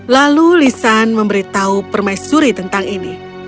lalu lisan memberitahu permaisuri tentang ini